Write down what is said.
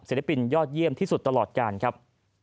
ปินยอดเยี่ยมที่สุดตลอดการครับ